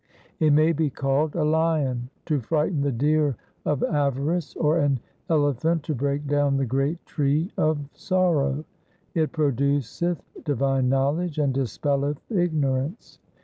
It may be called a lion to frighten the deer of avarice, or an elephant to break down the great tree of sorrow. It produceth divine knowledge and dispelleth ignorance.